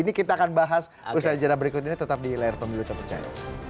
ini kita akan bahas usaha jalan berikut ini tetap di layar pemilu teman teman